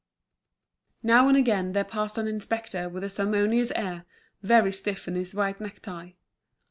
Now and again there passed an inspector with a ceremonious air, very stiff in his white neck tie.